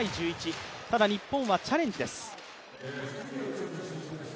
ただ日本はチャレンジです。